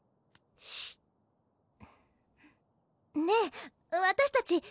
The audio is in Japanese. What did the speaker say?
ねえ私たち